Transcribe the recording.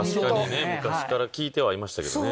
昔から聞いてはいましたけどね。